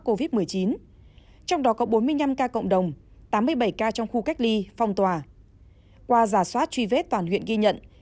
covid một mươi chín trong đó có bốn mươi năm ca cộng đồng tám mươi bảy ca trong khu cách ly phong tỏa qua giả soát truy vết toàn huyện ghi nhận